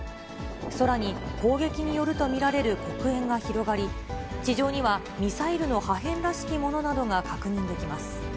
空に、攻撃によると見られる黒煙が広がり、地上にはミサイルの破片らしきものなどが確認できます。